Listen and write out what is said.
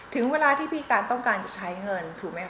ถึงเวลาที่พี่การต้องการจะใช้เงินถูกไหมค